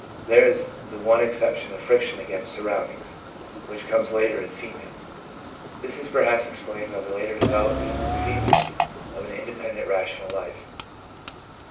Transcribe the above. There is the one exception of friction against surroundings, which comes later in females ; this is perhaps explained by the later develop ment among females of an independent rational life.